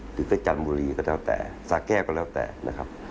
หรือไปจันบุรีก็แล้วแต่สาแก้วก็แล้วแต่นะครับ